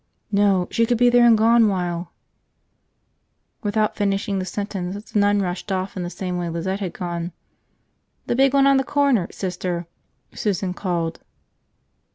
"No, she could be there and gone while ..." Without finishing the sentence, the nun rushed off in the same way Lizette had gone. "The big one on the corner, Sister!" Susan called.